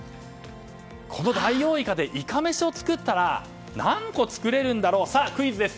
このダイオウイカでイカめしを作ったら何個作れるんだろう？さあ、クイズです。